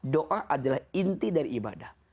doa adalah inti dari ibadah